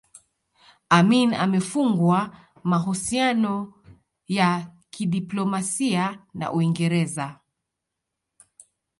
Amin amefungwa mahusiano ya kidiplomasia na Uingereza